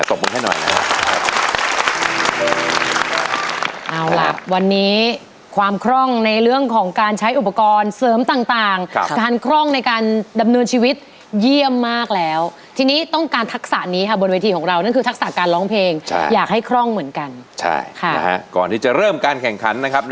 โอโหดนตรีประกอบการดริปวีวแชร์โชว์เลยครับ